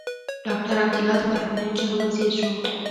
ډاکټر عبدالله د بهرنيو چارو وزیر شو.